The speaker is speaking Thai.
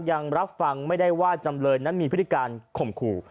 ยังรับฟังไม่ได้ว่าจำเลยนั้นมีพฤติการข่มขู่